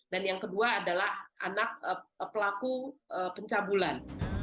dan yang kedua adalah anak pelaku pencabulan